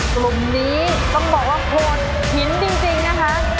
กลุ่มนี้ต้องบอกว่าโฟธินนะคะ